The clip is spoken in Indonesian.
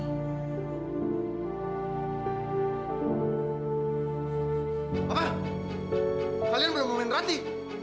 apa kalian belum ngomongin berarti